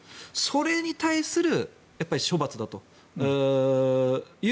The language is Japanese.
それに対するやっぱり処罰だという